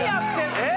えっ！